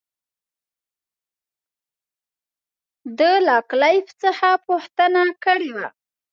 ده له کلایف څخه پوښتنه کړې وه.